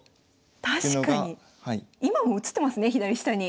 今も映ってますね左下に。